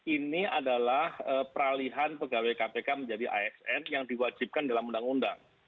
ini adalah peralihan pegawai kpk menjadi asn yang diwajibkan dalam undang undang